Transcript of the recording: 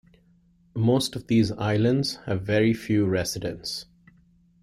Most of these islands have very few residents.